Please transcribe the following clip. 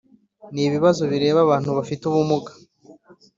n ibibazo bireba Abantu bafite ubumuga